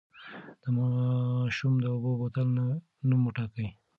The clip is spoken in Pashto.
د ماشوم د اوبو بوتل نوم وټاکئ.